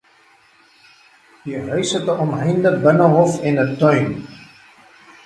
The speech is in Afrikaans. Die huis het 'n omheinde binnehof en 'n tuin.